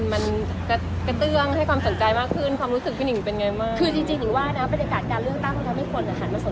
ไม่ได้นอน๒๓คืนเพราะทำงานเกี่ยวกับเรื่องบทละครอยู่